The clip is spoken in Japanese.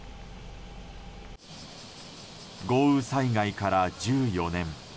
豪雨災害から１４年。